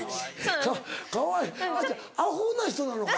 ・かわいい・アホな人なのか？